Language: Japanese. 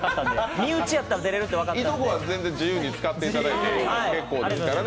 身内やったら出れるって分かったんで。